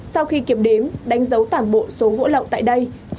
sau khi kiểm đếm đánh dấu toàn bộ số gỗ lậu tại đây